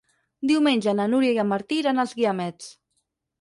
Diumenge na Núria i en Martí iran als Guiamets.